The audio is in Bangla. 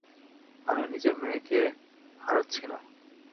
আমি নিজের মেয়েকে হারাচ্ছি না।